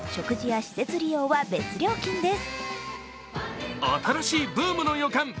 食事や施設利用は別料金です。